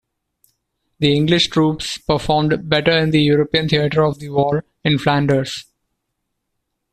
The English troops performed better in the European theatre of the war in Flanders.